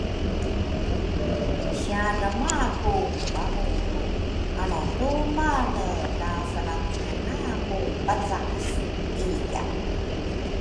Siadrama ku turamuru anatumane la sara thingala ku pacase iya